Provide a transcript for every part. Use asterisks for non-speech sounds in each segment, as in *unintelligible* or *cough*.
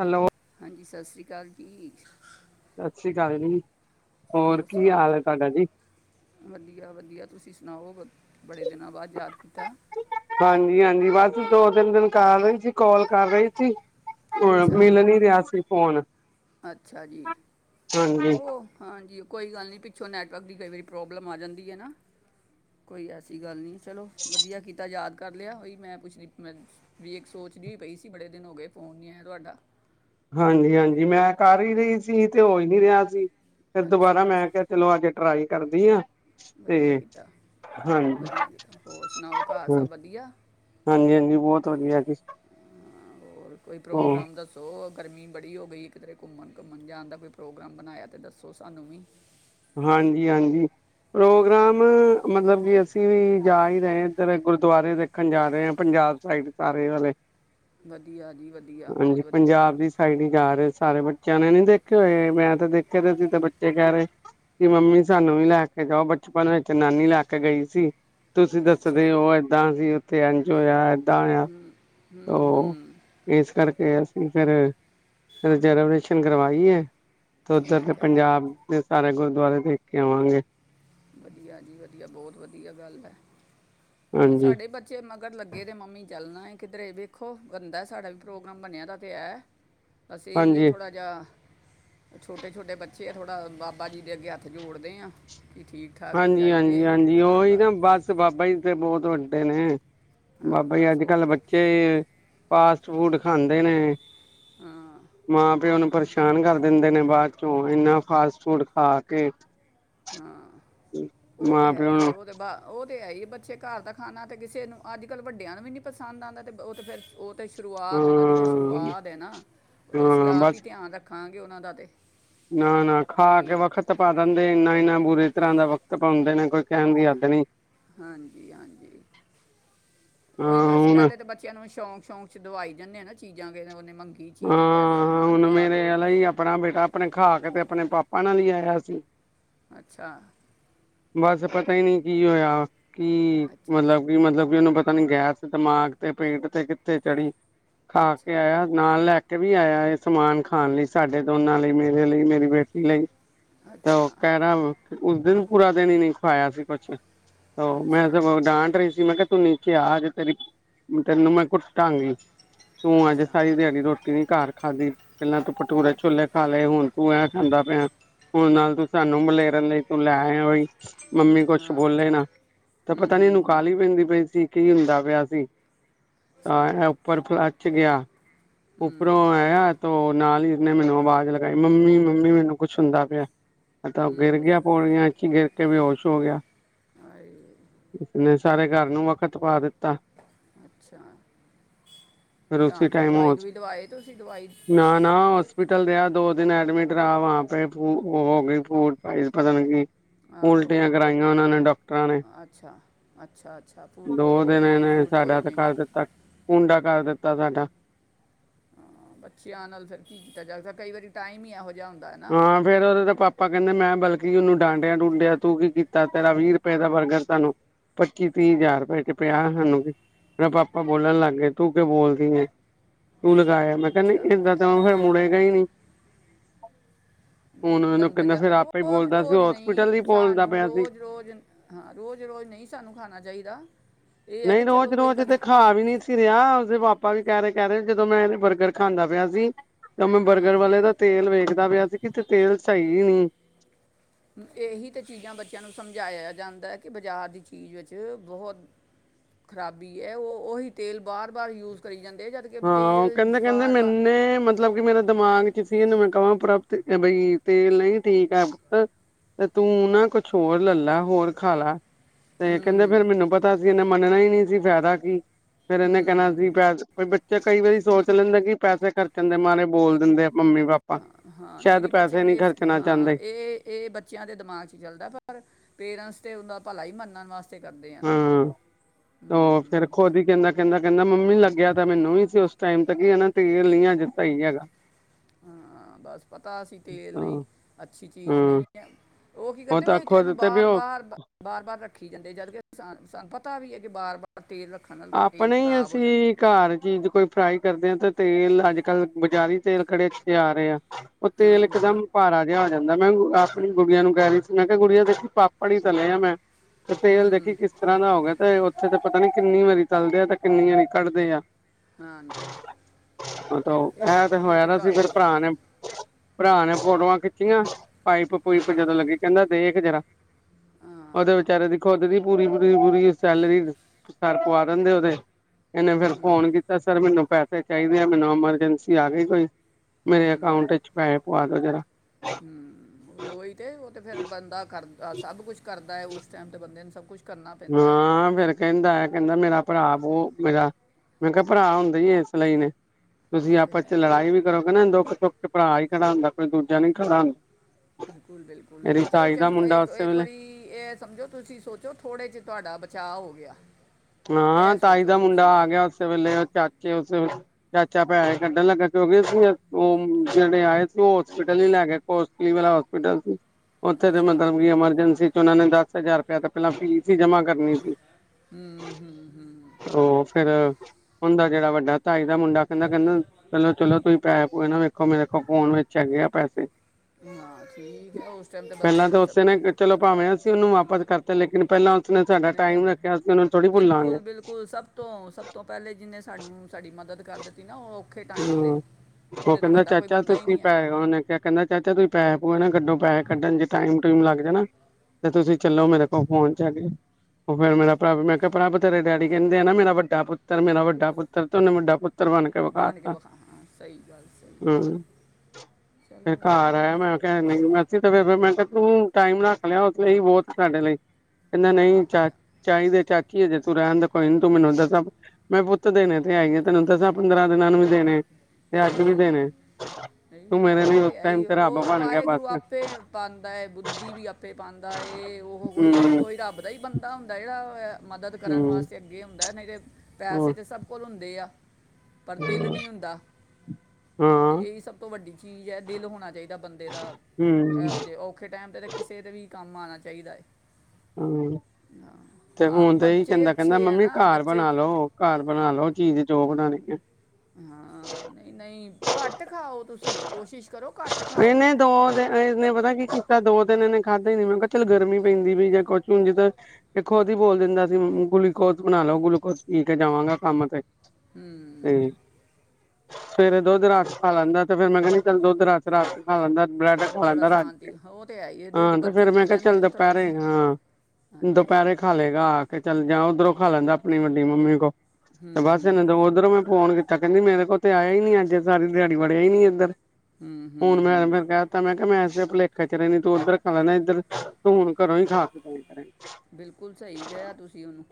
Hello. ਹਾਂਜੀ, ਸਤਿ ਸ਼੍ਰੀ ਅਕਾਲ ਜੀ। ਸਤਿ ਸ੍ਰੀ ਅਕਾਲ ਜੀ। ਹੋਰ ਸੁਣਾਓ ਹਾਲ ਕੀ, ਹੈ ਤੁਹਾਡਾ ਜੀ? ਵਧੀਆ-ਵਧੀਆ ਤੁਸੀਂ ਸੁਣਾਓ? ਬੜੇ ਦਿਨਾਂ ਬਾਅਦ ਯਾਦ ਕੀਤਾ। ਹਾਂਜੀ-ਹਾਂਜੀ, ਬਸ ਦੋ-ਤਿੰਨ ਦਿਨ ਕਰ ਰਹੀ ਸੀ, ਕੋਲ ਕਰ ਰਹੀ ਸੀ। ਹੂੰ ਅੱਛਾ ਮਿਲ ਨ ਰਿਹਾ ਸੀ ਫੋਨ ਅੱਛਾ ਜੀ ਹਾਂਜੀ। ਔ ਹਾਂਜੀ, ਕੋਈ ਗੱਲ ਨਹੀਂ ਪਿੱਛੋਂ ਨੈਟਵਰਕ ਦੀ ਕਈ ਵਾਰੀ ਪ੍ਰੋਬਲਮ ਆ ਜਾਂਦੀ ਏ ਨਾ ਕੋਈ ਐਸੀ ਗੱਲ ਨੀ, ਚਲੋ ਵਧੀਆ ਕੀਤਾ ਯਾਦ ਕਰ ਲਿਆ। ਹੋਈ ਮੈਂ ਪੁੱਛਦੀ ਮੈਂ ਵੀ ਇੱਕ ਸੋਚਦੀ ਪਈ ਸੀ ਬੜੇ ਦਿਨ ਹੋ ਗਏ ਫੋਨ ਨੀ ਆਇਆ ਤੁਹਾਡਾ ਹਾਂਜੀ-ਹਾਂਜੀ, ਮੈਂ ਕਰ ਹੀ ਰਹੀ ਸੀ ਤੇ ਹੋ ਹੀ ਨੀ ਰਿਹਾ ਸੀ ਫਿਰ ਅੱਛਾ ਦੁਬਾਰਾ ਮੈਂ ਅੱਛਾ ਕਿਹਾ ਚਲੋ ਆਕੇ ਟਰਾਈ ਕਰਦੀ ਆ। ਵਧੀਆ ਤੇ ਕੀਤਾ, ਹਾਂਜੀ ਵਧੀਆ ਕੀਤਾ। ਹੋਰ ਸੁਣਾਓ ਘਰ ਹਾਂ। ਸਭ ਵਧੀਆ? ਹਾਂਜੀ-ਹਾਂਜੀ, ਬਹੁਤ ਵਧੀਆ ਹੈ ਜੀ। ਹਾਂ, ਹੋਰ ਕੋਈ ਹੋਰ ਪ੍ਰੋਗਰਾਮ ਦਾ ਹੋ ਗਰਮੀ ਬੜੀ ਹੋ ਗਈ ਇੱਧਰੇ ਘੁੰਮਣ, ਘੁੰਮਣ ਜਾਣ ਦਾ ਕੋਈ ਪ੍ਰੋਗਰਾਮ ਬਣਾਇਆ ਤਾਂ ਦੱਸੋ ਸਾਨੂੰ ਵੀ ਹਾਂਜੀ, ਹਾਂਜੀ ਪ੍ਰੋਗਰਾਮ ਮਤਲਬ ਕਿ ਅਸੀਂ ਵੀ ਜਾ ਹੀ ਰਹੇ। ਕਿਧਰ ਗੁਰਦੁਆਰੇ ਦੇਖਣ ਜਾਣੇ ਪੰਜਾਬ ਸਾਈਡ ਸਾਰੇ ਵਾਲੇ ਵਧੀਆ ਜੀ ਵਧੀਆ ਹਾਂਜੀ ਬਹੁਤ ਵਧੀਆ। ਪੰਜਾਬ ਦੀ ਸਾਈਡ ਜਾ ਰਹੇ ਸਾਰੇ ਬੱਚਿਆਂ ਨੇ ਨੀ ਦੇਖੇ ਹੋਏ ਮੈਂ ਤੇ ਦੇਖੇ ਸੀ ਤੇ ਬੱਚੇ ਕਹਿ ਰਹੇ। ਕਿ ਮੰਮੀ ਸਾਨੂੰ ਵੀ ਲੈ ਕੇ ਜਾਓ ਬਚਪਨ ਵਿੱਚ ਨਾਨੀ ਲੈ ਕੇ ਗਈ ਸੀ। ਤੁਸੀਂ ਅੱਛਾ ਦੱਸਦੇ ਹੋ ਇਏਦਾਂ ਸੀ ਉੱਥੇ ਇੰਝ ਹੋਇਆ ਏਦਾਂ ਹੋਇਆ ਹਮ ਹਮ ਤੋ ਹਮ ਇਸ ਕਰਕੇ ਅਸੀਂ ਫਿਰ ਰਿਜ਼ਰਵੇਸ਼ਨ ਕਰਵਾਈ ਹੈ। ਤੇ ਉੱਧਰ ਦੇ ਠੀਕ ਹੈ ਪੰਜਾਬ ਦੇ ਸਾਰੇ ਗੁਰਦੁਆਰੇ ਦੇਖ ਕੇ ਆਵਾਂਗੇ। ਵਧੀਆ ਜੀ ਵਧੀਆ ਬਹੁਤ ਵਧੀਆ ਗੱਲ ਹੈ ਹਾਂ ਹਾਂਜੀ ਸਾਡੇ ਮਗਰ ਲੱਗੇ ਤਾਂ ਮੰਮੀ ਚੱਲਣਾ ਏ ਕਿੱਧਰੇ ਵੇਖੋ ਬੰਦਾ ਸਾਡਾ ਵੀ ਪ੍ਰੋਗਰਾਮ ਬਣਿਆ ਤਾਂ ਹੈ। ਹ ਅਸਂ ਇ ਥੋੜ੍ਹਾ ਜਿਹਾ। ਛੋਟੇ ਛੋਟੇ ਬੱਚੇ ਆ ਥੋੜ੍ਹਾ ਬਾਬਾ ਜੀ ਦੇ ਅੱਗੇ ਹੱਥ ਜੋੜਦੇ ਹਾਂ ਕਿ ਠੀਕ ਠਾਕ ਹਾਂਜੀ ਹਾਂਜੀ ਜਾਈਏ ਹਾਂਜੀ ਹਨਾ ਉਹੀ ਨਾ ਬਸ ਬਾਬਾ ਜੀ ਤੇ ਬਹੁਤ ਵੱਡੇ ਨੇ ਹਾਂ ਬਾਬਾ ਜੀ ਬਸ ਅੱਜ ਉਹ ਕੱਲ ਬੱਚੇ ਬੱਚ ਫਾਸਟਫੂਡ ਖਾਂਦੇ ਨੇ। ਹਾਂ ਮਾਂ ਪਿਓ ਨੂੰ ਪਰੇਸ਼ਾਨ ਕਰ ਦਿੰਦੇ ਨੇ ਬਾਅਦ ਚੋਂ ਇੰਨਾ ਫਾਸਟ ਫੂਡ ਖਾ ਕੇ। ਹਾਂ ਉਹ ਤੇ ਮਾਂ ਹੈ ਪਿਓ ਹੀ ਹੈ ਨੂੰ ਉਹ ਤੇ ਬਾਾਹ ਉਹ ਤਾਂ ਹੈ ਹੀ ਬੱਚੇ ਘਰ ਦਾ ਖਾਣਾ ਅਤੇ ਕਿਸੇ ਨੂੰ ਅੱਜ ਕੱਲ੍ਹ ਵੱਡਿਆਂ ਨੂੰ ਵੀ ਨਹੀਂ ਪਸੰਦ ਆਉਂਦਾ ਅਤੇ ਉਹ ਤਾਂ ਫਿਰ ਉਹ ਤਾਂ ਸ਼ੁਰੂਆਤ ਉਹਨਾਂ ਦੀ ਤਾਂ ਹਾਂ ਸ਼ੁਰੂਆਤ ਹੈ ਨਾ ਉਹ ਤੇ ਅਸੀਂ ਹਾਂ ਆਪ ਹੀ ਧਿਆਨ ਰੱਖਾਂਗੇ ਉਹਨਾਂ ਦਾ ਤੇ ਨਾ-ਨਾ ਖਾ ਕੇ ਕਿ ਵਖਤ ਪਾ ਦਿੰਦੇ ਇਨਾ-ਇੰਨਾ ਬੁਰਰੀ ਤਰ੍ਹਾਂ ਦਾ ਵਕਤ ਪਾਉਂਦੇ ਨੇ ਕੋਈ ਕਹਿਣ ਦੀ ਹੱਦ ਨੀ ਹਾਂਜੀ-ਹਾਂਜੀ ਹਾਂ ਉਹੀ ਨਾ ਅਸੀਂ ਹੁਣ ਪਹਿਲੇ ਤਾਂ ਬੱਚਿਆਂ ਨੂੰ ਸ਼ੌਕ ਸ਼ੌਂਕ ਦਵਾਈ ਜਾਂਿੰਦੇ ਨਾ ਚੀਜ਼ਾਂ ਕ ਉਹਨੇ ਮੰਗੀ ਚੀਜ਼ ਕ ਹਾਂ ਹੁਣ ਦਵਾ ਮੇਰੇ ਦੋ। ਆਲਾ ਹੀ ਆਪਣਾ ਬੇਟਾ ਆਪਣੇ ਖਾ ਕੇ ਤੇ ਆਪਣੇ ਪਾਪਾ ਨਾਲ ਹੀ ਆਇਆ ਸੀ। ਅੱਛਾ ਬਸ ਪਤਾ ਹੀ ਨਹੀਂੀ ਕੀ ਹੋਇਆ ਕੀ ਅੱਛਾ ਮਤਲਬ ਕੀ ਮਤਲਬ ਵੀ ਉਹਨੂੰ ਪਤਾ ਨੀ ਗੈਸ ਦਿਮਾਗ ਤੇ ਪੇਟ ਤੇ ਕਿੱਥੇ ਚੜੀ ਖਾ ਕੇ ਅੱਛਾ ਆਇਆ। ਨਾਲ ਲੈ ਕੇ ਵੀ ਆਇਆ ਇਹ ਸਮਾਨ ਖਾਣ ਲਈ ਸਾਡੇ ਦੋਨਾਂ ਲਈ ਮੇਰੇ ਲਈ ਮੇਰੀ ਬੇਟੀ ਲਈ ਅੱਛਾ ਤੇ ਉਹ ਕਹਿਰਾ ਉਸ ਦਿਨ ਪੂਰਾ ਦਿਨ ਹੀ ਨਹੀਂ ਖਵਾਇਆ ਸੀ ਕੁਛ ਮੈਂ ਅੱਛਾ ਤੇ ਡਾਂਟ ਰਹੀ ਸੀ ਮੈਂ ਕਿਹਾ ਤੂੰ ਨੀਥੇ ਆਜੇ ਤੇਰੀ ਤੈਨੂੰ ਮੈਂ ਕੁੱਟਾਂਗੀ। ਤੂੰ ਅੱਜ ਅੱਛਾ ਸਾਰੀ ਦਿਹਾੜੀ ਰੋਟੀ ਨੀ ਘਰ ਖਾਧਦੀ ਪਹਿਾਂਲਾਂ ਤੂੰ ਪਟੂਰਾ ਚ ਖਾ ਲਏ ਹੁਣ ਤੂੰ ਐ ਖਾਂਦਾ ਪਿਆ ਹੁਣ ਨਾਲ ਤੂੰ ਸਾਨੂੰ ਮਲੇਰਨ ਲਈ ਤੂੰ ਲੈ ਆ ਈ ਮੰਮੀ ਕੁਛ ਬੋਲੇ ਨਾ ਤੇ ਪਤਾ ਨੀ ਇਹਨੂੰਕਾਹੀ ਪੈਂਦੀ ਪਈ ਸੀ। ਕੀ ਹੁੰਦਾ ਪਿਆ ਸੀ ਅੱਛਾ ਤਾਂ ਇਹ ਉੱਪਰ ਫਲਚ ਗਿਆ। ਉੱਪਰੋਂ ਆਇਆ ਤੇ ਨਾਲ ਹੀ ਨੇ ਮੈਨੂੰ ਆਵਾਜ਼ ਲਗਾਈ ਮੰਮੀ ਮੰਮੀ ਮੈਨੂੰ ਕੁੱਛ ਹੁੰਦਾ ਪਿਆ ਮੈਂ ਤਾਂ ਉਹ ਗਿਰ ਗਿਆ। ਪੌੜੀਆਂ ਅਚੀ ਗੇਰ ਕੇ ਬੇਹੋਸ਼ ਹੋ ਗਿਆ ਹਾਯ ਮੈਂ ਸਾਰੇ ਘਰ ਨੂੰ ਵਕਤ ਪਾ ਦਿੱਤਾ ਅੱਛਾ ਫਿਰ ਤੇ ਹਾਂ ਤਾਂ ਦਵਾਈ ਦਵੁਈ ਦਵਾਏ ਤੁਸੀਂ ਦਵਾਈ ਨਾ-ਨਾ ਹੋਸਪਿਟਲ ਰਿਹਾ ਦੋ ਦਿਨ ਐਡਮਿਟ ਰਿਹਾ ਵਾ ਪੇ ਹੋ ਗਈ ਫੂਡ ਪ੍ਰਾਈ ਪਤਾ ਨੀ ਕੀ ਆਹੋ ਉਲਟੀਆਂ ਦ- ਕਰਾਈਆਂ ਉਹਨਾਂ ਨੇ ਡਾਕਟਰਾਂ ਨੇ ਅੱਛਾ ਅੱਛਾ ਅੱਛਾ ਫੂਡ ਦੋ ਪੋ ਹੋ ਦਿਨ ਜਾਂਦੀ ਇਹਨੇ ਫੂਡ ਸਾਡਾ ਤੇ ਪੋਇਜ਼ਨਿੰਗ ਕਰ ਦਿੱਤਾ ਕੁੰਡਾ ਕਰ ਦਿੱਤਾ ਸਾਡਾ ਹਾਂ ਬੱਚਿਆਂ ਨਾਲ ਫਿਰ ਕੀ ਕੀਤਾ ਜਾਦਾ ਕਈ ਵਾਰੀ ਟਾਈਮ ਹੀ ਇਹੋ ਜਿਹਾ ਹੁੰਦਾ ਨਾ ਆ ਫੇਰ ਉਹਦਾ ਪਾਪਾ ਕਹਿੰਦੇ ਮੈਂ ਬਲਕਿ ਉਹਨੂੰ ਡਾਂਡਿਆ ਡੂੰਡਿਆ ਤੂੰ ਕੀ ਕੀਤਾ ਤੇਰਾ ਵੀਹ ਰੁਪਏ ਦਾ ਬਰਗਰ ਸਾਨੂੰ ਪੱਚੀ ਤੀਹ ਹਜ਼ਾਰ ਰੁਪਏ ਚ ਪਿਆ ਹਨੂ ਕੀ ਮੈਂ ਪਾਪਾ ਬੋਲਣ ਲੱਗ ਗਏ ਤੂੰ ਕਿਉਂ ਬੋਲਦੀ ਆਂ ਤੂੰ ਲਗਾਇਆ ਮੈਂ ਕਿਹਾ ਅੱਛਾ ਇਦਾਂ ਤਾਂ ਉਹ ਫਿਰ ਮੁੜੇਗਾ ਹੀ ਨਹੀਂ ਨਹੀਂ ਉਹਨੂੰ ਕਹਿੰਦਾ ਫਿਰ ਬਾਜ਼ਾਰ ਆਪੇ ਹੀ ਰੋਜ਼ ਬੋਲਦਾ ਸੀ ਰੋਜ਼ ਹੋਸਪਿਟਲ ਹੀ ਨਹੀਂ ਬੋਲਦਾ ਸਾਨੂੰ ਪਿਆ ਸੀ ਰੋਜ਼-ਰੋਜ਼ ਹਾਂ ਰੋਜ਼-ਰੋਜ਼ ਨਹੀਂ ਸਾਨੂੰ ਖਾਣਾ ਚਾਹੀਦਾ ਇਹ ਆ ਨਹੀਂ ਕਿ ਚਲੋ ਬਈ ਰੋਜ਼-ਰੋਜ਼ ਤੇ ਕਦੀ ਖਾ ਵੀ ਨਹੀਂ ਸੀ। ਰਿਹਾ ਉਸਦੇ ਪਾਪਾ ਵੀ ਕਹਿ ਰਹੇ ਕਹਿ ਰਹੇ ਜਦੋਂ ਮੈਂ ਇਹਨੇ ਬਰਗਰ ਖਾਂਦਾ ਪਿਆ ਸੀ ਤਾਂ ਮੈਂ ਬਰਗਰ ਹਾਂ ਵਾਲੇ ਦਾ ਤੇਲ ਵੇਖਦਾ ਪਿਆ ਸੀ ਕਿੱਥੇ ਤੇਲ ਸਹੀ ਨਹੀਂ ਇਹੀ ਤਾਂ ਚੀਜ਼ਾਂ ਬੱਚਿਆਂ ਨੂੰ ਸਮਝਾਇਆ ਜਾਂਦਾ ਕਿ ਬਾਜ਼ਾਰ ਦੀ ਚੀਜ਼ ਵਿੱਚ ਬਹੁਤ ਖ਼ਰਾਬੀ ਹੈ ਉਹ ਉਹੀ ਤੇਲ ਬਾਰ- ਬਾਰ ਯੂਜ ਕਰੀ ਜਾਂਦੇ ਜਦ ਕਿ ਹਾਂ ਤੇਲ ਕਹਿੰਦੇ-ਕਹਿੰਦੇ ਬਾਰ-ਬਾਰ ਮਿਨੇ ਮਤਲਬ ਕਿ ਮੇਰਾ ਦਿਮਾਗ ਚ ਸੀ ਇਹਨੂੰ ਮੈਂ ਕਵਾਂ ਪ੍ਰਭ ਬਈ ਤੇਲ ਨਹੀਂ ਠੀਕ ਹੈ। ਤੇ ਤੂੰ ਨਾ ਕੁਛ ਹੋਰ ਲੈ ਲਾ ਹੋਰ ਖਾ ਲਾ ਤੇ ਕਹਿੰਦੇ ਹੂੰ ਫਿਰ ਮੈਨੂੰ ਪਤਾ ਸੀ ਇਹਨਾ ਮੰਨਣਾ ਹੀ ਨਹੀਂ ਸੀ ਫਾਇਦਾ ਕੀ ਫਿਰ ਇਹਨੇ ਕਹਿਣਾ ਸੀ ਹੂੰ ਦੀ ਪੈਲਸ *unintelligible* ਫਿਰ ਕਈ ਵਾਰੀ ਸੋਚ ਲੈਂਦੇ ਕਿ ਪੈਸੇ ਖਰਚਣ ਦੇ ਮਾਰੇ ਬੋਲ ਦਿੰਦੇ ਆ ਮੰਮੀ ਪਾਪਾ ਹਾਂ ਹਾਂ ਨਹੀਂ ਸ਼ਾਇਦ ਨਹੀਂ ਬੱਚਿਆਂ ਪੈਸੇ ਨੂੰ ਇਸ ਖਰਚਣਾ ਹਾਂ ਚਾਹੁੰਦੇ ਇਹ ਇਹ ਬੱਚਿਆਂ ਦੇ ਦਿਮਾਗ ਚ ਚੱਲਦਾ ਪਰ ਪੇਰੈਂਟਸ ਤੇ ਉਹਦਾ ਭਲਾ ਹੀ ਮੰਨਣ ਵਾਸਤੇ ਕਰਦੇ ਆ ਹਨਾ ਹਾਂ ਉਹ ਹੂ। ਫੇਰ ਖੁਦ ਹੀ ਕਹਿੰਦਾ ਕਹਿੰਦਾ ਕਹਿੰਦਾ ਮੰਮੀ ਲੱਗਿਆ ਤਾਂ ਮੈਨੂੰ ਵੀ ਸੀ ਉਸ ਟਾਈਮ ਤੇ ਇਹਨਾ ਤੇਲ ਨੀ ਅੱਜ ਸਹੀ ਹੈਗਾ। *inaudible* ਹਾਂ ਬਸ ਪਤਾ ਸੀ ਤੇਲ ਨਹੀਂ ਹਾਂ ਅੱਛੀ ਚੀਜ਼ ਹਾਂ ਨਹੀਂ ਹੈ। ਉਹ ਕੀ ਕਰਦੇ ਤਾਂ ਉਹੀਂ ਇਕ ਖੁਦ ਨੂੰ ਤੇ ਵੀ ਬਾਰ ਉਹ ਬਾਰ ਬਾਰ ਬਾਰ ਰੱਖੀ ਜਾਂਦੇ ਜਦ ਕਿ ਸਾਨੂੰ ਪਤਾ ਵੀ ਹੈ ਕਿ ਬਾਰ ਬਾਰ ਤੇਲ ਰੱਖਣਾ ਆਪਣੇ ਹੀ ਅਸੀਂ ਘਰ ਚੀਜ਼ ਕੋਈ ਫਰਾਈ ਕਰਦੇ ਹਾਂ ਤੇ ਤੇਲ ਅੱਜ ਕੱਲ ਬਜ਼ਾਰੀ ਤੇਲ ਖੜੇ ਅਥੇ ਆ ਰਹੇ ਆ ਉਹ ਤੇਲ ਹਾਂਜੀ ਇਕਦਮ ਭਾਰਾ ਜਿਹਾ ਹੋ ਜਾਂਦਾ ਮੈਂ ਆਪਣੀ ਗੁੜੀਆਂ ਨੂੰ ਕਹਿ ਰਹੀ ਸੀ ਮੈਂ ਕਿਹਾ ਗੁੜੀਆਂ ਦੇਖੀ ਪਾਪੜ ਹੀ ਤਲੇ ਆ ਮੈਂ ਤੇ ਤੇਲ ਦੇਖੀ ਕਿਸ ਤਰ੍ਹਾਂ ਦਾ ਹੋ ਗਿਆ ਤੇ ਉੱਥੇ ਤੇ ਪਤਾ ਨੀ ਕਿੰਨੀ ਵਾਰੀ ਤਲਦੇ ਆ ਤੇ ਕਿੰਨੀ ਵਾਰੀ ਕੱਢਦੇ ਆ ਹਾਂਜੀ ਕਾਤੋਂ ਇਹ ਤੇ ਹੋਇਆ ਨਾ ਸੀ ਫਿਰ ਭਰਾ ਨੇ ਭਰਾ ਨੇ ਫੋਟੋਆਂ ਖਿੱਚੀਆਂ ਪਾਈਪ ਪੁਈਪ ਹਾਂ ਜਦੋਂ ਲੱਗੀ ਕਹਿੰਦਾ ਦੇਖ ਜਰਾ ਉਹਦੇ ਹਾਂ ਵਿਚਾਰੇ ਖੁਦ ਦੀ ਪੂਰੀ-ਪੂਰੀ ਪੂਰੀ ਸੈਲਰੀ ਘਰ ਖੁਆਬ ਰਹਿੰਦੇ ਉਹਦੇ ਇਹਨੇ ਫਿਰ ਫੋਨ ਕੀਤਾ ਸਰ ਮੈਨੂੰ ਪੈਸੇ ਚਾਹੀਦੇ ਆ ਮੈਨੂੰ ਐਮਰਜੈਂਸੀ ਆ ਗਈ ਕੋਈ ਮੇਰੇ ਅਕਾਊਂਟ ਚ ਪੈਸੇ ਪਵਾ ਦੋ ਜਰਾ ਹੂ ਤੇ ਉਹੀ ਤੇ ਉਹ ਤੇ ਫਿਰ ਬੰਦਾ ਕਰਦਾ ਸਭ ਕੁਛ ਕਰਦਾ ਹੈ ਉਸ ਟਾਈਮ ਤੇ ਬੰਦੇ ਨੂੰ ਸਭ ਕੁਛ ਹਾਂ ਫਿਰ ਕਹਿੰਦਾ ਹੈ ਕਹਿੰਦਾ ਮੇਰਾ ਭਰਾ ਬੋ ਮੇਰਾ ਮੈਂ ਕਿਹਾ ਭਰਾ ਹੁੰਦੇ ਇਸ ਲਈ ਨੇ। ਤੁਸੀਂ ਉਹ ਤੇ ਆਪਸ ਹੈ ਚ ਹੀ ਲੜਾਈ ਵੀ ਕਰੋਗੇ ਨਾ ਦੁੱਖ ਸੁੱਖ ਭਰਾ ਹੀ ਖੜਾ ਹੁੰਦਾ ਕੋਈ ਦੂਜਾ ਨੀ ਖੜਾ ਹੁੰਦਾ। ਬਿਲਕੁਲ ਬਿਲਕੁਲ ਮੇਰੀ ਨਹੀਂ ਚਲੋ ਤਾਈ ਦਾ ਚੰਗਾ ਮੁੰਡਾ ਉਸੇ ਇੱਕ ਵੇਲੇ ਵਾਰੀ ਇਹ ਸਮਝੋ ਤੁਸੀਂ ਸੋਚੋ ਥੋੜੇ ਚ ਤੁਹਾਡਾ ਬਚਾਅ ਹੋ ਗਿਆ। ਹਾਂ ਇਹ ਤਾਈ ਸੋਚੋ ਦਾ ਮੁੰਡਾ ਤੁਸੀਂ ਆ ਗਿਆ ਉਸੇ ਵੇਲੇ ਚਾਚੇ ਉਸੇੇ ਵੇਲੇ ਚਾਚਾ ਪੈਸੇ ਕੱਢਣ ਲੱਗਾ ਕਿਉਂਕਿ ਤੁਸੀਂ ਉਹ ਜਿਹੜੇ ਆਏ ਸੀ ਓ ਹੋਸਪਿਟਲ ਹੀ ਲੈ ਗਏ। ਹੋਸ ਕੀਵਰ ਹੋਸਪਿਟਲ ਸੀ। ਉੱਥੇ ਤੇ ਅੱਛਾ ਮਤਲਬ ਕਿ ਐਮਰਜੈਂਸੀ ਚ ਉਹਨਾਂ ਨੇ ਦਸ ਹਜ਼ਾਰ ਰੁਪਇਆ ਤਾਂ ਪਹਿਲਾਂ ਫੀਸ ਹੀ ਜਮਾ ਕਰਨੀ ਸੀ। ਹੂ ਹੂ ਹੂ ਹੂ। ਉਹ ਫਿਰ ਮੁੰਡਾ ਜਿਹੜਾ ਵੱਡਾ ਤਾਈ ਦਾ ਮੁੰਡਾ ਕਹਿੰਦਾ ਕਹਿੰਦਾ ਚਲੋ ਚਲੋ ਤੁਸੀਂ ਪੈਸੇ ਪੂਸੇ ਨਾ ਵੇਖੋ ਮੇਰੇ ਕੋਲ ਫੋਨ ਵਿੱਚ ਹੈਗੇ ਆ ਪੈਸੇ। ਹੂੰ ਹਾਂ ਠੀਕ ਹੈ ਉਸ ਟਾਈਮ ਤੇ ਬੰਦੇ ਪਹਿਲਾਂ ਤਾਂ ਨੂੰ ਉਸੇ ਸਭ ਨੇ ਚਲੋ ਭਾਵੇਂ ਅਸੀਂ ਉਹਨੂੰ ਵਾਪਸ ਕਰਤੇ ਲੇਕਿਨ ਪਹਿਲਾਂ ਉਸਨੇ ਸਾਡਾ ਨਹੀਂ ਆ ਟਾਈਮ ਰੱਖਿਆ ਸੀ ਉਨੂੰ ਬਿਲਕੁਲ ਬਿਲਕੁਲ ਸਭ ਤੋਂ ਸਭ ਤੋਂ ਪਹਿਲੇ ਜਿਨੇ ਸਾਨੂੰ ਸਾਡੀ ਮਦਦ ਕਰ ਦਿੱਤੀ ਨਾ ਉਹ ਔਖੇ ਟਾਈਮ ਤੇ ਹਾਂ ਉਹ ਉਹਦੇ ਤੋਂ ਕਹਿੰਦਾ ਵੱਡਾ ਕੋਈ ਚਾਚਾ ਬੰਦਾ ਹੀ ਤੁਸੀਂ ਨੀ ਹੈਗਾ ਪੈਸੇ ਉਹਨੇ ਕਿਹਾ ਕਹਿੰਦਾ ਚਾਚਾ ਤੁਸੀਂ ਪੈਹੇ ਪੂਹੇ ਨਾ ਕੱਢੋ, ਪੈੇਹੇ ਕੱਢਣ ਚ ਟਾਈਮ ਟੂਮ ਲੱਗ ਜਾਣਾ ਤੇ ਤੁਸੀਂ ਚਲੋ ਮੇਰੇ ਕੋਲ ਫੋਨ ਚ ਹੈਗੇ ਉਹ ਫਿਰ ਮੇਰਾ ਭਰਾ ਮੈਂ ਕਿਹਾ ਪ੍ਰਭ ਤੇਰੇ ਡੈਡੀ ਕਹਿੰਦੇ ਆ ਨਾ, ਮੇਰਾ ਵੱਡਾ ਪੁੱਤਰ ਮੇਰਾ ਵੱਡਾ ਪੁੱਤਰ ਤੇ ਉਹਨੇ ਵੱਡਾ ਪੁੱਤ ਪੁੱਤਰ ਬਣ ਕੇ ਵਿਖਾ ਤਾ ਹਾਂ ਹਾਂ ਸਹੀ ਗੱਲ ਸਹੀ ਹੂੰ ਗੱ ਫੇਰ ਚਲੋ ਬਈ ਘਰ ਆਇਆ ਮੈਂ ਕਿਹਾ ਨਹੀਂ ਵੈਸੇ ਤੇ ਫਿਰ ਮੈਂ ਕਿਹਾ ਤੂੰ ਟਾਈਮ ਰੱਖ ਲਿਆ ਉਸ ਲਈ ਬਹੁਤ ਸਾਡੇ ਲਈ ਕਹਿੰਦਾ ਹਾਂ ਨਹੀਂ ਆਪਣ ਚਾ ਚਾਹੀਦੇ ਚਾਚੀ ਹਜੇ ਤੂੰ ਰਹਿਣ ਦੇ ਕੋਈ ਤੂੰ ਮੈਨੂੰ ਦਾ ਮੈਂ ਪੁੱਤ ਦੇਣੇ ਤੇ ਹੈਈ ਹੈ ਹੀ ਆ ਤੈਨੂੰ ਦਸਾਂ ਪੰਦਰਾਂ ਦਿਨਾਂ ਨੂੰ ਵੀ ਦੇਣੇ ਤੇ ਅੱਜ ਵੀ ਹੂੰ ਦੇਣੇ ਤੂੰ ਹਾਂ ਮੇਰੇ ਲਈ ਉਹ ਉਸ ਤੇ ਹੈ ਟਾਈਮ ਹੀ ਰੱਬ ਉਹ ਬਣ ਗਿਆ ਵਾਹਿਗੁਰੂ ਬਸ ਆਪੇ ਪਾਂਦਾ ਐ ਬੁੱਧੀ ਵੀ ਆ ਆਪੇ ਪਾਂਦਾ ਏ ਉਹ ਕੋਈ ਹੂੰ ਕੋਈ ਰੱ ਬ ਦਾ ਹੀ ਬੰਦਾ ਹੁੰਦਾ ਏ ਜਿਹੜਾ ਮਦਦ ਕਰਨ ਹੂੰ ਵਾਸਤੇ ਅੱਗੇ ਹੁੰਦਾ ਨਹੀਂ ਤੇ ਪੈਸੇ ਤਾਂ ਸਭ ਕੋਲ ਹੁੰਦੇ ਆ ਪਰ ਦਿਲ ਨਹੀਂ ਹੁੰਦਾ ਹੂ *unintelligible* ਤੇ ਇਹੀ ਸਭ ਤੋਂ ਵੱਡੀ ਚੀਜ਼ ਐ ਦਿਲ ਹੋਣਾ ਚਾਹੀਦਾ ਬੰਦੇ ਦਾ ਹੂੰ ਇਹੋ ਜਿਹੇ ਓ ਖੇ ਟਾਈਮ ਤੇ ਤਾਂ ਕਿਸੇ ਦੇ ਵੀ ਕੰਮ ਆਣਾ ਚਾਹੀਦਾ ਏ ਹੂੰ ਤੇ ਹਾਂ ਹੁਣ ਤੇ ਹੀ ਬੱਚੇ ਕਹਿੰਦਾ ਕਹਿੰਦਾ ਅੱਛੇ ਆ ਮੰਮੀ ਨਾ ਘਰ ਬੱਚੇ ਬਣਾ ਲੋ ਘਰ ਬਣਾ ਹਾਂ ਲਓ ਚੀਜ਼ ਜੋ ਬਣਾਣੀ ਆ। ਹਾਂ, ਨਹੀਂ ਨਹੀਂ ਘੱਟ ਖਾਓ ਤੁਸੀਂ ਕੋਸ਼ਿਸ਼ ਕਰੋ ਘੱਟ ਖਾਓ ਇਹਨੇ ਦੋ ਦੇਅਨ *unintelligible* ਏਸਨੇ ਪਤਾ ਕੀ ਕੀਤਾ ਦੋ ਦਿਨ ਇਨੇ ਖਾਧਾ ਹੀ ਨੀ ਮੈਂ ਕਿਹਾ ਚੱਲ ਗਰਮੀ ਪੈਂਦੀ ਪੀ ਜਾ ਕੋਛ ਹੁਣ ਜਿੱਦਾਂ ਏ ਖੋਦ ਹੀ ਬੋਲ ਦਿੰਦਾ ਸੀ ਮਨੂ ਗਲੂਕੋਜ ਬਣਾ ਲਓ, ਗਲੂਕੋਜ ਪੀ ਕੇ ਜਾਵਾਂਗਾ ਕੰਮ ਤੇ ਹਮ ਤੇ ਸਵੇਰੇ ਦੁੱਧ ਰਾਸ ਖਾ ਲੈਂਦੈ ਤੇ ਫੇਰ ਮੈਂ ਕਿਹਾ ਨੀ ਚੱਲ ਦੋਧ ਰਾਸ ਰਸ ਖਾ ਲੈਂਦਾ ਬਰੈਡ ਹਾਂ, ਖਾ ਥੋੜਾ ਲੈਂਦਾ ਰੱਜ ਕੇ ਸ਼ਾਂਤੀ ਉਹ ਤੇ ਹੈ ਹੀ ਹੈ ਦੁੱਧ ਹਾਂ, ਤੇ ਬੱਚੇ ਫੇਰ ਮੈਂ ਪੀ ਕਿਹਾ ਜਾਂਦੇ ਆ ਚੱਲ ਨਾ ਥੋੜਾ ਦੋਪੈਰੇ ਹਾਂ ਹਾਂਜੀ ਦੁਪਹਿਰੇ ਖਾ ਲਏਗਾ ਆ ਕੇ ਚੱਲ ਜਾ ਉੱਧਰੋਂ ਖਾ ਲੈਂਦਾ ਆਪਣੀ ਵੱਡੀ ਮੰਮੀ ਕੋ, ਤੇ ਹੂੰ ਬਸ ਹੂੰ ਇਹਨਾਂ ਦੇ ਉੱਧਰੋਂ ਮੈਂ ਫੋਨ ਕ ਤੇ ਕਹਿੰਦੀ ਮੇਰੇ ਕੋ ਤੇ ਆਇਆ ਹੀ ਨੀ ਅੱਜ ਸਾਰੀ ਦਿਹਾੜੀ ਵੜਿਆ ਹੀ ਨੀ ਇੱਧਰ, ਹੂੰ ਹੁਣ ਹੂੰ ਮੈਂ ਹੂੰ ਮੈਂ ਕਹਿ ਕਿਹਤਾ ਮੈਂ ਕਿਹਾ ਮੈਂ ਤੇ ਭੁਲੇਖੇ ਚ ਰਹਿਣੀ ਤੂੰ ਉੱਧਰ ਖਾ ਲੈਂਨਾ ਇੱਧਰ, ਤੂੰ ਹੁਣ ਘਰੋਂ ਹੀ ਖਾ ਬਿਲਕੁਲ ਸਹੀ ਕਿਹਾ ਤੁਸੀਂ ਉਹਨੂੰ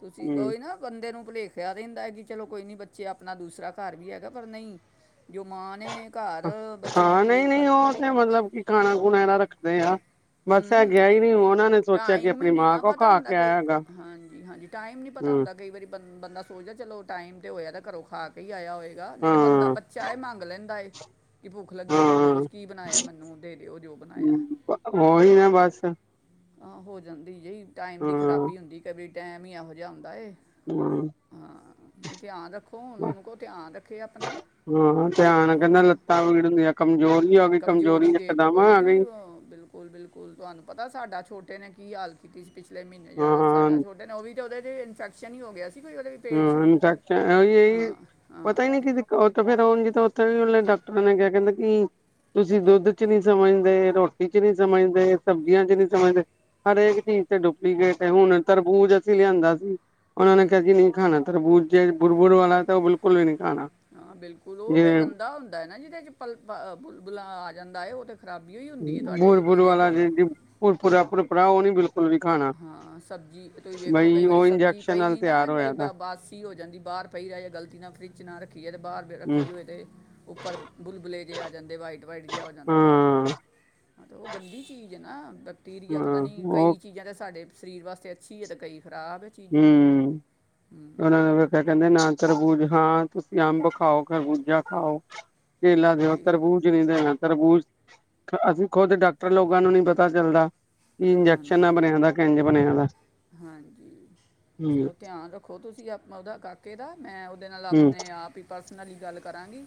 ਤੁਸੀਂ ਹੂੰ ਓਹੀ ਨਾ ਬੰਦੇ ਨੂੰ ਭੁਲੇਖਿਆ ਰਹਿੰਦਾ ਏ ਕਿ ਚਲੋ ਕੋਈ ਨੀ ਬੱਚੇ ਆਪਣਾ ਦੂਸਰਾ ਘਰ ਵੀ ਹੈਗਾ ਪਰ ਨਹੀਂ ਜੋ ਮਾਂ ਨੇ ਘਰ ਬੱਚੇ ਦੀ ਉਹ ਕਰ ਏ ਮਤਲਬ ਕੀ *unintelligible* ਖਾਣਾ ਗੁਣਾ ਐਦਾ *unintelligible* ਰੱਖਦੇ ਆ। ਬਸ ਐ ਹੂੰ ਗਿਆ ਈ ਨੀ ਓਹਨਾਂ ਨੇ ਸੋਚਿਆ ਕਿ ਟਾਈਮ ਅਪਣੀ ਨਹੀਂ ਮਾਂ ਨਾ ਕੋਲ ਪਤਾ ਖਾ ਹੁੰਦਾ ਕੇ ਕਈ ਆਯਾ ਹੈਗਾ ਹਾਂਜੀ ਹਾਂਜੀ ਟਾਈਮ ਨੀ ਪਤਾ ਹੂੰ ਹੁੰਦਾ ਕਈ ਵਾਰੀ ਬੰ ਬੰਦਾ ਸ ਸੋਚਦਾ ਚਲੋ ਟਾਈਮ ਤੇ ਹੋਯਾ ਦੈ ਘਰੋਂ ਖਾ ਕੇ ਹੀ ਆਇਆ ਹੋਏਗਾ, ਨਹੀਂ ਤੇ ਬੰਦਾ ਹਾਂ ਬੱਚਾ ਏ ਮੰਗ ਲੈਂਦਾ ਏ ਕਿ ਭੁੱਖ ਲੱਗੀ ਏ ਤੇ ਮੈਨੂੰ ਹਾਂ ਕੁਛ ਕੀ ਬਣਾਯਾ ਮੈਨੂੰ ਦੇ ਦਿਓ ਜੋ ਬਣਾਯਾ *unintelligible* ਓਹੀ ਨਾ ਬਸ ਹਾਂ ਹੋ ਜਾਂਦੀ ਈ ਟਾਈਮ ਦੀ ਹਾਂ ਖ਼ਰਾਬੀ ਹੁੰਦੀ ਕਈ ਵਾ ਟਾਈਮ ਹੀ ਐਹੋ ਜਾ ਹੁੰਦਾ ਏ ਹਾਂ ਹਾਂ, ਨਹੀਂ ਧਿਆਨ ਰੱਖੋ ਹੁਣ ਓਨੂੰ ਕੋ ਧਿਆਨ ਰੱਖੇ ਅਪਨਾ ਹਾਂ, ਧਿਆਨ ਕੈੰਦਾ ਲੱਤਾਂ ਪੀੜ ਹੁੰਦੀਆਂ ਕਮਜ਼ੋਰੀ ਆ ਗਈ, ਕਮਜ਼ੋਰੀ ਇਕਦਮ ਆ ਗਈ ਕੁਲ ਬਿਲਕੁਲ ਤੁਹਾਨੂੰ ਪਤਾ ਸਾਡਾ ਛੋਟੇ ਨੇ ਕੀ ਹਾਲ ਕੀਤੀ ਸੀ ਪਿਛਲੇ ਮੀਨੇ ਹਾਂ ਜਦ ਅਸ ਹਾਂ ਤਾਡਾ ਛੋਟੇ ਨੇ ਓਹ ਵੀ ਤਾਂ ਓਹਦੇ ਤੇ ਇਨਫੈਕਸ਼ਨ ਹੀ ਹੋ ਗਿਆ ਸੀ ਕੋਈ ਓਦੇ ਹਾਂ ਇਨਫੈਕਸ਼ ਐਵੀ ਏਈ ਹਾਂ ਪਤਾ ਨੀ ਕਿ ਕ ਤੋਹ ਫਿਰ ਔੰਝ ਤੇ ਉੱਥੇ ਵੀ ਉਲੇ ਡਾਕਟਰਾਂ ਨੇ ਕਿਹਾ ਕੈੰਦੇ ਕੀ ਤੁਸੀਂ ਦੁੱਧ ਚ ਨੀ ਸਮਝਦੇ, ਰੋਟੀ ਚ ਨੀ ਸਮਝਦੇ, ਸਬਜ਼ੀਆਂ ਚ ਨੀ ਸਮਝਦੇ ਹਰ ਏਕ ਚੀਜ਼ ਤੇ ਡੁਪਲੀਕੇਟ ਹੈ, ਹੁਣ ਤਰਬੂਜ਼ ਅਸੀਂ ਲਿਆਂਦਾ ਸ ਔਨਾਂ ਨੇ ਕਿਹਾ ਜੀ ਨੀ ਖਾਣਾ ਤਰਬੂਜ ਜੇ ਬੁਰਬੁਰ ਵਾਲਾ ਤੇ ਓਹ ਬਿਲਕੁਲ ਵੀ ਨੀ ਖਾਣਾ ਹਾਂ, ਬਿਲਕੁਲ ਓਹ ਤੇ ਜਿਵੇਂ ਗੰਦਾ ਹੁੰਦਾ ਏ ਨਾ ਜਿਦੇ ਚ ਪਲਪ ਅ ਬੁਲਾ ਆ ਜਾਂਦਾ ਏ ਓਹ ਤ ਖਰਾਬੀਈਔ ਈ ਹੂੰਦੀ ਏ ਤੁਹਾਡੇ ਤੁਸੀਂ ਵੇਖੋ ਨਾ ਪੁਰਪੂਰਾ ਪੁਰਪੂਰਾ ਓਹ ਨੀ ਬਿਲਕ ਹਾਂ ਸਬਜ਼ੀ ਤੁਹੀ ਵੇਖੋ ਬਈ ਕਈ ਵਾਰੀ ਉਹ ਸਬਜ਼ੀ ਇੰਜੈਕਸ਼ਨ ਪਈ ਨਾਲ ਈ ਨਾ ਤਿਆਰ ਏ ਹੋਇਆ ਬ ਬਾਸ ਸੀ ਹੋ ਜਾਂਦੀ ਬਾਰ ਪਈ ਰੈ ਜੇ ਗਲਤੀ ਨਾਲ ਫਰਿੱਜ ਨਾ ਰੱਖੀਐ ਤੇ ਬਾਰ ਹੂੰ ਰੱਖੀ ਹੋਏ ਤੇ ਊ ਪਰ ਬੁਰਬੁਲੇ ਜੇ ਆ ਜਾਂਦੇ ਵਾਈਟ-ਵਾਈਟ ਜਾ ਹੋ ਜਾਂਦਾ ਏ। ਹਾਂ ਹਾਂ ਤੇ ਓਹ ਗੰਦੀ ਚੀਜ਼ ਏ ਨਾ ਬਕ ਤੀਰੀਆ ਪਤਾ ਹਾਂ ਨੀ ਉਹ ਕਈ ਚੀਜ਼ਾ ਤਾ ਸਾਡੇ ਸਰੀਰ ਵਾਸਤੇ ਅੱਛੀ ਏ ਤੇ ਕਈ ਖ਼ਰਾਬ ਏ। ਹੂੰ, ਓਹਨਾਂ ਨਾ ਫੇਰ ਫੇਰ ਕੈੰਦੇ ਨਾ ਤਰਬੂਜ ਹਾ ਤੁਸੀ ਅੰਬ ਖਾਓ, ਖਰਬੂਜਾ ਖਾਓ। ਕੇਲਾ ਦੇਓ, ਇਹ ਤਰਬੂਜ ਜਿਵੇ ਦਾ ਆ ਤਰਬੂਜ ਅਸੀ ਖੋਦ ਡਾਕਟਰ ਲੋਗਾ ਨੂੰ ਨੀ ਪਤਾ ਚੱਲਦਾ। ਬੀ ਇੰਜੈਕਸ਼ਨ ਨਾ ਹਾਂਜੀ ਬਣਿਆ ਹਾਂਜੀ ਦੈ ਕੇ ਏੰਜ ਬਣਿਆ ਦੈ। ਹਾਂਜੀ, ਚਲੋ ਧਿਆਨ ਰੱਖੋ ਤੁਸੀ ਅਪਣਾ ਓਦਾ ਕੱਦ *unintelligible* ਮੈਂ ਉਦੇ ਨਾਲ ਹੂੰ ਅਪਣੇ ਆਪ ਹੀ ਪਰਸਨਲੀ ਗੱਲ ਕਰਾਂਗੀ।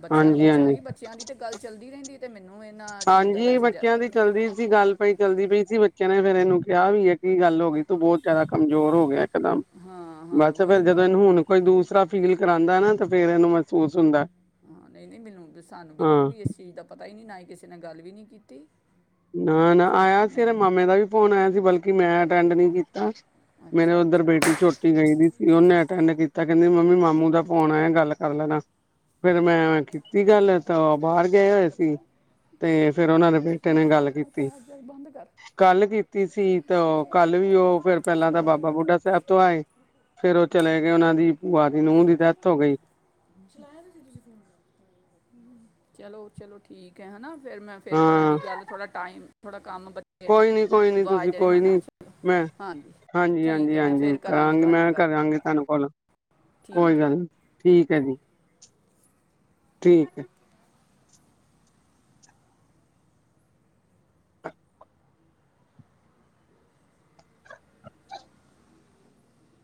ਬੱਚਿਆ ਦਾ ਹਾਂਜੀ ਹਾਂਜੀ ਪੁੱਛਾਂਗੀ ਬੱਚਿਆ ਦੀ ਤੇ ਗੱਲ ਚੱਲਦੀ ਰੈੰਦੀ ਏ ਤੇ ਮੈਨੂੰ ਏ ਹਾਂਜੀ ਬੱਚਿਆਂ ਦੀ ਚੱਲਦੀ ਪੀ ਸੀ ਗੱਲ ਪਈ ਚੱਲਦੀ ਪਈ ਸੀ ਬੱਚਿਆਂ ਨੇ ਫੇਰ ਏਨੂੰ ਕਿਆ ਵੀ ਏ। ਕੀ ਗੱਲ ਹੋ ਗੀ ਤੂੰ ਬੌਤ ਜੈਦਾ ਕਮਜ਼ੋਰ ਹੋ ਗਿਆ ਇਕਦਮ, ਹਾਂ ਹਾਂ ਬਸ ਫੇਰ ਵਹੀ ਜਦੋਂ ਨਾ ਏਨੂੰ ਹੁਣ ਕੋਈ ਦੂਸਰਾ ਫੀਲ ਕਰਾਉਂਦਾ ਨਾ ਤੇ ਫੇਰ ਇਹਨੂੰ ਮਹਿਸੂਸ ਹੁੰਦਾ ਹਾਂ ਨਈ-ਨਈ ਮੈਨੂੰ ਸਾਨੂੰ ਬਿਲਕੁਲ ਹਾਂ ਵੀ ਇਸ ਚੀਜ਼ ਦਾ ਪਤਾ ਹੀ ਨਹੀ ਨਾ ਹੀ ਕਿਸੇ ਨੇ ਗੱਲ ਵੀ ਨੀ ਕੀਤੀ। ਹਾਂ ਨਾ-ਨਾ ਚਲੋ ਆਇਆ ਸੀ ਇਦੇ ਮੈਂ ਮਾਮੇ ਦਾ ਵੀ ਫੋਨ ਆਇਆ ਸੀ ਬਲਕਿ ਮੈਂ ਅਟੈਂਡ ਨੀ ਕੀਤਾ। ਮੇਰੇ ਅੱਛਾ ਉੱਧਰ ਅੱਛਾ ਬੇਟੀ ਝ ਟੀ ਗਈ ਸੀ ਉਹਨੇ ਅਟੈਂਡ ਕੀਤਾ ਕਹਿੰਦੀ ਮੰਮੀ ਮਾਮੂ ਦਾ ਫੋਨ ਆਯਾ ਗੱਲ ਕਰ ਲੈਣਾ। ਫੇਰ ਮੈਂ ਕੀਤੀ ਗੱਲ ਤਾ ਬਾਰ ਗਏ ਹੋਏ ਇਹਦਾ ਸੀ ਪਤਾ ਤੇ ਫੇਰ ਉਹਨਾ ਦੇ ਨੇ ਗੱਲ ਕੀਤੀ। *unintelligible* ਬੰਦ ਕਰ। ਕੱਲ ਕੀਤੀ ਸੀ ਤੇ ਕੱਲ ਵੀ ਉਹ ਫੇਰ ਪਹਿਲਾ ਤਾ ਬੰਦ ਬਾਬਾ ਬੁੱ ਕਰ। ਡਾ ਸੈਬ ਤੋ ਆਏ ਫੇਰ ਓਹ ਚਲੇ ਗਏ ਓਨਾਂ ਦੀ ਭੂਆ ਦੀ ਨੂੰਹ ਦੀ ਡੈਥ ਹੋ ਗਈ। ਚਲੋ ਚਲੋ ਠੀਕ ਹੈ, ਹੈਨਾ। ਫੇਰ ਮੈਂ ਫੇਰ ਕਰਾਂਗੀ ਹਾਂ ਗੱਲ ਥੋੜਾ ਟਾਈਮ ਥੋੜਾ ਕੰਮ ਬੱ ਕੋਈ ਨੀ, ਕੋਈ ਨੀ ਤੁਸੀ ਕੋਈ ਨੀ। ਮੈਂ ਹਾਂਜੀ ਠੀਕ ਹਾਂਜੀ-ਹਾਂਜੀ, ਹੈ ਮੈਂ ਹਾਂਜੀ ਫਿਰ ਕਰਾਂਗੀ ਤੁਹਾਡੇ ਨਾਲ ਮੈਂ ਗੱਲ ਕਰਾਂਗੀ ਤੁਆਨੂੰ ਕੋਲ। ਠੀਕ ਹੈ ਕੋਈ ਗੱਲ ਨੀ ਠੀਕ ਹੈ ਜੀ, ਠੀਕ ਹੈ। *inaudible*